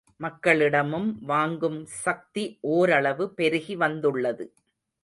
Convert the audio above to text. மக்களிடமும் வாங்கும் சக்தி ஓரளவு பெருகி வந்துள்ளது.